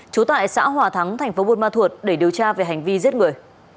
chú tại xã hòa thắng tp buôn ma thuột để điều tra về hành vi giết người